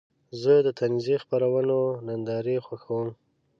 زه د طنزي خپرونو نندارې خوښوم.